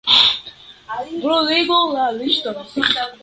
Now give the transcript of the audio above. Bruligu la liston.